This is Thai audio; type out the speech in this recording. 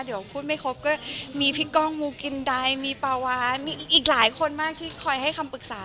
เดี๋ยวพูดไม่ครบก็มีพี่ก้องมูกินไดมีปาวานมีอีกหลายคนมากที่คอยให้คำปรึกษา